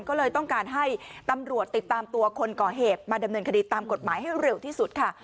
ก็เลยต้องการให้ตำรวจติดตามตัวคนก่อเหตุมาดำเนินคดีตามกฎหมายให้เร็วที่สุดค่ะ